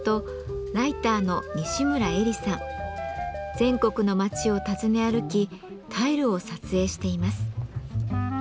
全国の町を訪ね歩きタイルを撮影しています。